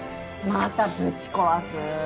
またぶち壊す！